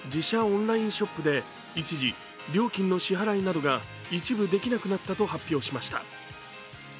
オンラインショップで一時、料金の支払いなどが一部できなくなったと発表しました。